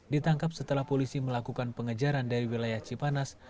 ditangkap setelah polisi melakukan pengejaran dari wilayah cipanas